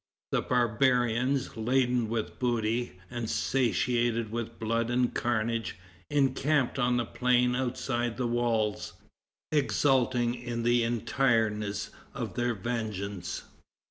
The barbarians, laden with booty, and satiated with blood and carnage, encamped on the plain outside of the walls, exulting in the entireness of their vengeance.